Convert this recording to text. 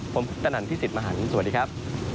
ผมพุทธนันที่ศิษย์มหาลสวัสดีครับ